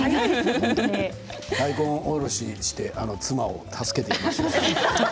大根おろしをして妻を助けてきました。